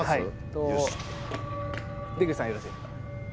出口さんよろしいですか？